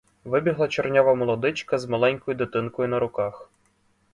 Вибігла чорнява молодичка з маленькою дитинкою на руках.